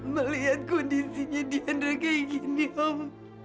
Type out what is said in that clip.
melihat kondisinya tiandra kayak gini om